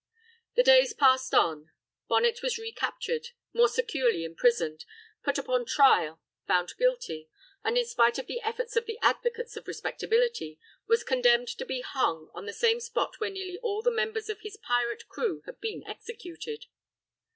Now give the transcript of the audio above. The days passed on; Bonnet was recaptured, more securely imprisoned, put upon trial, found guilty, and, in spite of the efforts of the advocates of respectability, was condemned to be hung on the same spot where nearly all the members of his pirate crew had been executed.